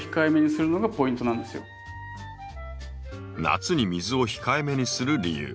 夏に水を控えめにする理由。